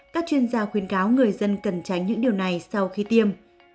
các chuyên gia khuyến cáo người dân cần tránh những điều này sau khi tiêm